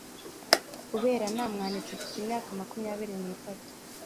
kuberako namwanditse mfite imyaka makumyabiri n'itatu